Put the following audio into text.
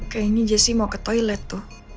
kayaknya jessi mau ke toilet tuh